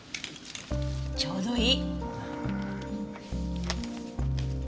ちょうどいい。